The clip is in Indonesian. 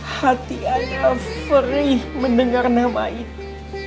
hati anak feri mendengar nama itu